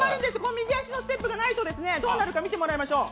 右足のステップがないとどうなるか見てもらいましょう。